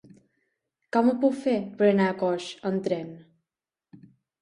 Com ho puc fer per anar a Coix amb tren?